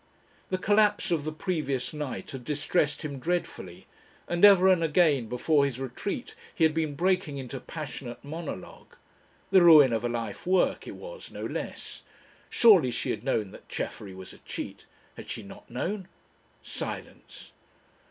The collapse of the previous night had distressed him dreadfully, and ever and again before his retreat he had been breaking into passionate monologue. The ruin of a life work, it was, no less. Surely she had known that Chaffery was a cheat. Had she not known? Silence.